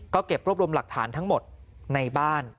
ก็เก็บรวบรวมหลักฐานทั้งหมดในบ้าน